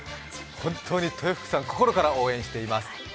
本当に豊福さん、心から応援しています。